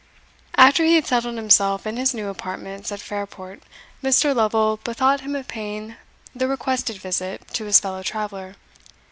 After he had settled himself in his new apartments at Fairport, Mr. Lovel bethought him of paying the requested visit to his fellow traveller.